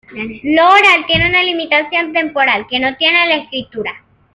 Lo oral tiene una limitación temporal que no tiene la escritura.